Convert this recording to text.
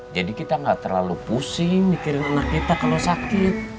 jadi kita enggak terlalu pusing mikirin anak kita kalau sakit